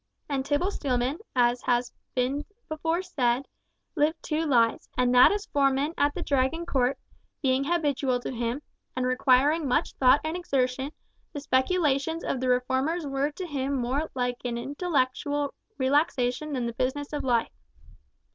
And Tibble Steelman, as has been before said, lived two lives, and that as foreman at the Dragon court, being habitual to him, and requiring much thought and exertion, the speculations of the reformers were to him more like an intellectual relaxation than the business of life.